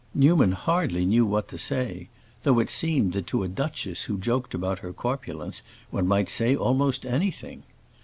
Newman hardly knew what to say, though it seemed that to a duchess who joked about her corpulence one might say almost anything.